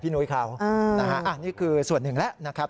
นี่คือส่วนหนึ่งแล้วนะครับ